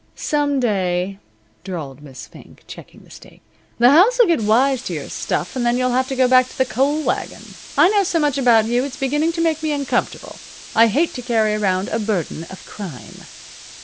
"Some day," drawled Miss Fink, checking the steak, "the house'll get wise to your stuff and then you'll have to go back to the coal wagon. I know so much about you it's beginning to make me uncomfortable. I hate to carry around a burden of crime."